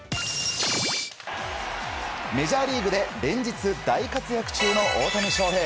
メジャーリーグで連日、大活躍中の大谷翔平。